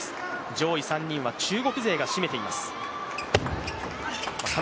上位３人は中国勢が占めています。